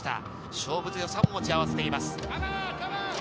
勝負強さも持ち合わせています。